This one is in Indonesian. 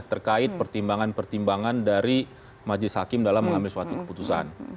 terkait pertimbangan pertimbangan dari majelis hakim dalam mengambil suatu keputusan